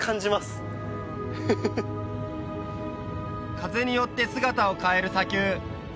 風によって姿を変える砂丘